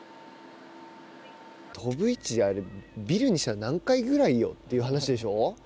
飛ぶ位置ビルにしたら、何階ぐらいよという話でしょう。